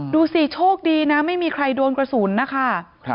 ดูสิโชคดีนะไม่มีใครโดนกระสุนนะคะ